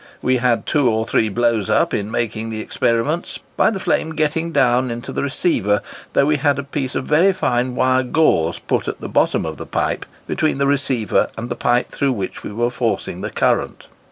We had two or three blows up in making the experiments, by the flame getting down into the receiver, though we had a piece of very fine wire gauze put at the bottom of the pipe, between the receiver and the pipe through which we were forcing the current.